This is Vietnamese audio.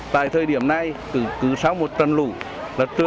tại thời điểm này cứ sau một trần lũ